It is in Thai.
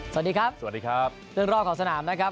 สวัสดีครับสวัสดีครับเรื่องรอบของสนามนะครับ